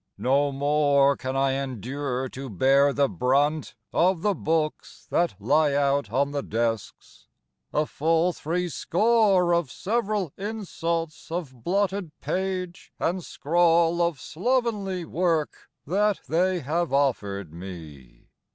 No more can I endure to bear the brunt Of the books that lie out on the desks: a full three score Of several insults of blotted page and scrawl Of slovenly work that they have offered me.